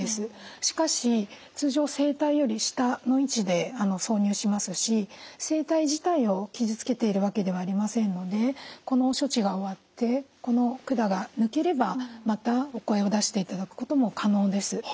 しかし通常声帯より下の位置で挿入しますし声帯自体を傷つけているわけではありませんのでこの処置が終わってこの管が抜ければまたお声を出していただくことも可能です。